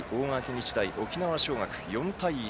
日大、沖縄尚学、４対１。